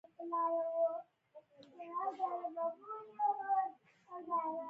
د بشرپالنې حقوقو لویې داعیې څوک تراشي.